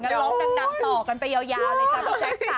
งั้นลองดัดต่อกันไปยาวเลยค่ะพี่แจ็ค